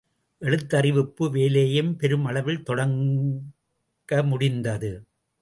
எழுத்தறிவிப்பு வேலையையும் பெரும் அளவில் தொடங்க முடிந்தது.